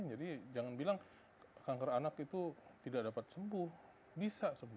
jadi jangan bilang kanker anak itu tidak dapat sembuh bisa sembuh